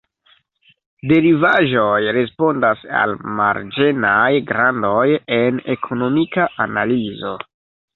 Derivaĵoj respondas al marĝenaj grandoj en ekonomika analizo.